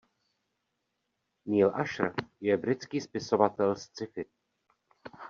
Neal Asher je britský spisovatel sci-fi.